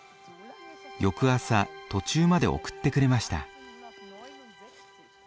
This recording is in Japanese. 翌朝途中まで送ってくれました。